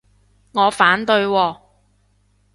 我反對喎